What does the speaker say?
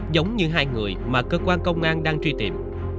giống như hai người mà cơ quan công an đang truy tìm